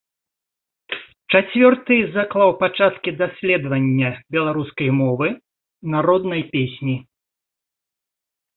Чацвёрты заклаў пачаткі даследавання беларускай мовы, народнай песні.